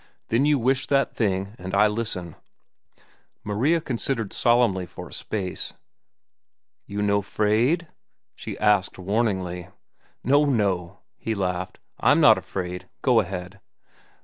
Then you wish that thing, and I listen." Maria considered solemnly for a space. "You no 'fraid?" she asked warningly. "No, no," he laughed, "I'm not afraid. Go ahead."